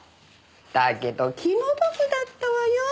だけど気の毒だったわよ。